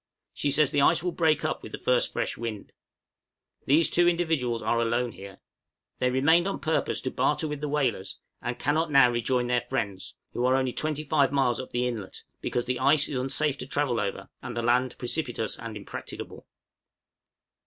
She says the ice will break up with the first fresh wind. These two individuals are alone here. They remained on purpose to barter with the whalers, and cannot now rejoin their friends, who are only 25 miles up the inlet, because the ice is unsafe to travel over and the land precipitous and impracticable.